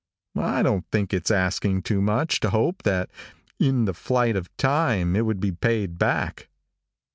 I don't think it's asking too much to hope that in the flight of time it would be paid back.